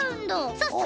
そうそう。